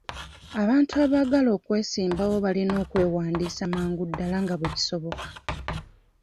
Abantu abaagala okwesimbawo balina okwewandiisa amangu ddala nga bwe kisoboka..